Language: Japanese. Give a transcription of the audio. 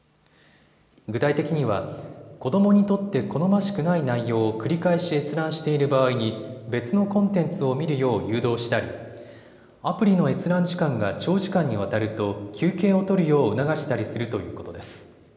具体的には子どもにとって好ましくない内容を繰り返し閲覧している場合に別のコンテンツを見るよう誘導したりアプリの閲覧時間が長時間にわたると休憩を取るよう促したりするということです。